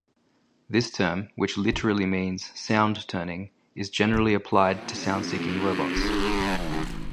This term, which literally means "sound turning," is generally applied to sound-seeking robots.